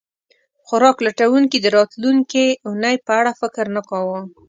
خوراک لټونکي د راتلونکې اوونۍ په اړه فکر نه کاوه.